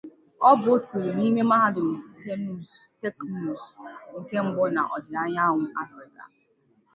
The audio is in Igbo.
Ọ bụ otu n'ime mahadum teknuzu nke mbụ na odida anyanwu Africa.